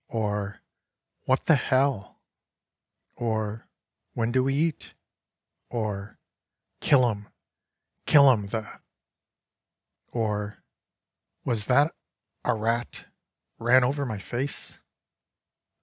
" or " What the hell " or " When do we eat? " or " Kill 'em, kill 'em, the ..." or " Was that ... a rat ... ran over my face?